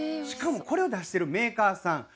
しかもこれを出してるメーカーさん